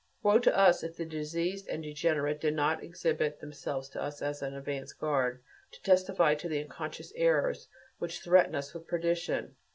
Woe to us if the diseased and degenerate did not exhibit themselves to us as an advance guard, to testify to the unconscious errors which threaten us with perdition.